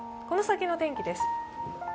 この先の天気です。